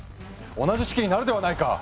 同じ式になるではないか！